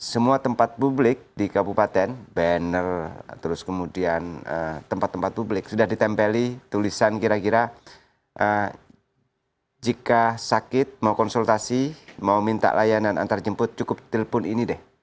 semua tempat publik di kabupaten banner terus kemudian tempat tempat publik sudah ditempeli tulisan kira kira jika sakit mau konsultasi mau minta layanan antarjemput cukup telpon ini deh